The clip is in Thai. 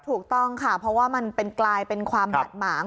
ถูกต้องค่ะเพราะว่ามันกลายเป็นความบาดหมาง